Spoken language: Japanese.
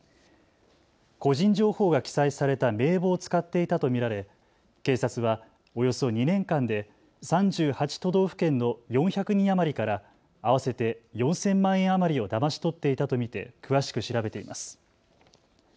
個人情報が記載された名簿を使っていたと見られ警察はおよそ２年間で３８都道府県の４００人余りから合わせて４０００万円余りをだまし取っていたと見て詳しく調べています。